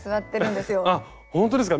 あほんとですか。